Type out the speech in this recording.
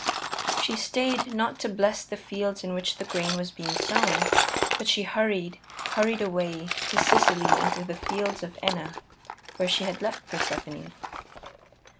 She stayed not to bless the fields in which the grain was being sown, but she hurried, hurried away, to Sicily and to the fields of Enna, where she had left Persephone.